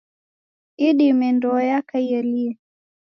Idime ndoo yaka ielie.